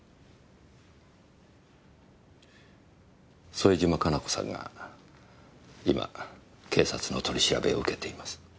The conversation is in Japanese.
添島可奈子さんが今警察の取り調べを受けています。